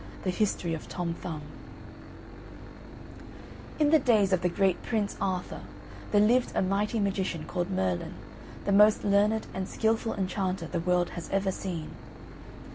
THE HISTORY OF TOM THUMB In the days of the great Prince Arthur, there lived a mighty magician, called Merlin, the most learned and skilful enchanter the world has ever seen.